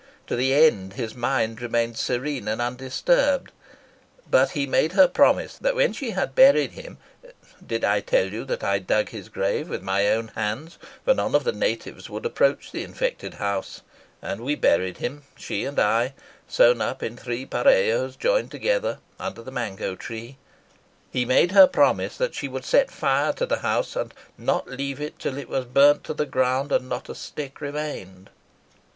To the end his mind remained serene and undisturbed. But he made her promise that when she had buried him did I tell you that I dug his grave with my own hands, for none of the natives would approach the infected house, and we buried him, she and I, sewn up in three joined together, under the mango tree he made her promise that she would set fire to the house and not leave it till it was burned to the ground and not a stick remained."